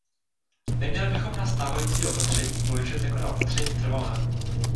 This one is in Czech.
Neměli bychom na stávající opatření pohlížet jako na opatření trvalé.